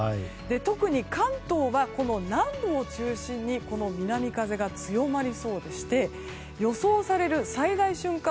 特に関東は南部を中心に南風が強まりそうでして予想される最大瞬間